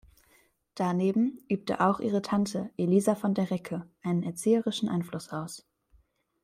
Daneben übte auch ihre Tante Elisa von der Recke einen erzieherischen Einfluss aus.